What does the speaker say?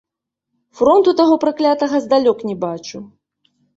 Фронту таго праклятага здалёк не бачыў.